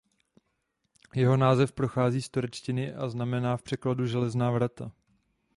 Jeho název pochází z turečtiny a znamená v překladu železná vrata.